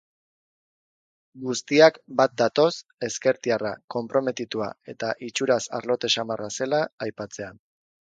Guztiak bat datoz ezkertiarra, konprometitua eta itxuraz arlote samarra zela aipatzean.